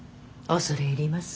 恐れ入ります。